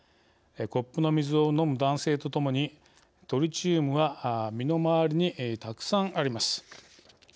コップの水を飲む男性とともに「トリチウムは身の回りにたくさんあります」